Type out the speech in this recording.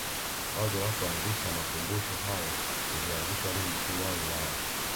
Wazo la kuanzisha makumbusho hayo lilianzishwa na mkuu wa wilaya